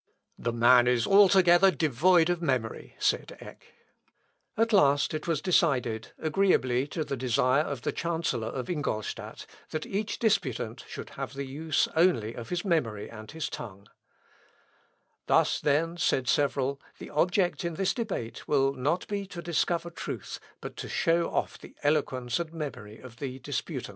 "The man is altogether devoid of memory," said Eck. At last it was decided, agreeably to the desire of the chancellor of Ingolstadt, that each disputant should have the use only of his memory and his tongue. "Thus then," said several, "the object in this debate will not be to discover truth, but to show off the eloquence and memory of the disputants." Prætexit tamen et hic Adam ille folium fici pulcherrimum.